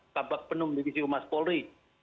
kabak penum divisi rumah spolri